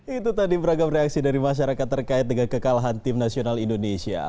itu tadi beragam reaksi dari masyarakat terkait dengan kekalahan tim nasional indonesia